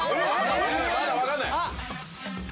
まだ分かんない！